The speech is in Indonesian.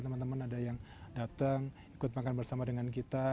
teman teman ada yang datang ikut makan bersama dengan kita